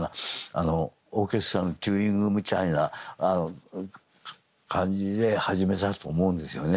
あのオーケストラのチューニングみたいな感じで始めたと思うんですよね。